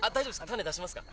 種出しますか？